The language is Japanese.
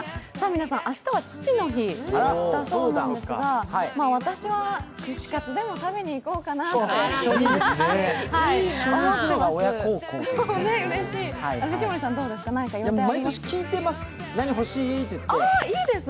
皆さん、明日は父の日だそうですが私は串カツでも食べに行こうかなって思ってます。